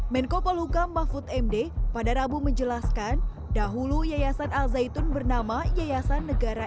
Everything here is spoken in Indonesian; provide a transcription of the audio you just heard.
menko polhukam mahfud md pada rabu menjelaskan dahulu yayasan al zaitun bernama yayasan negara